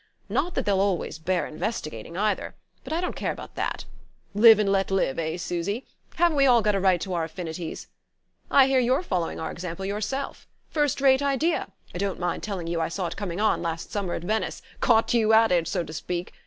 Not that they'll always bear investigating either; but I don't care about that. Live and let live, eh, Susy? Haven't we all got a right to our Affinities? I hear you're following our example yourself. First rate idea: I don't mind telling you I saw it coming on last summer at Venice. Caught you at it, so to speak!